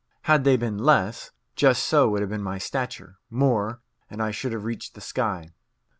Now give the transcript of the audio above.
Had they been less, just so would have been my stature; more, and I should have reached the sky.